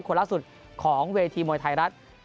คนล่าสุดของเวทีมวยไทยรัฐ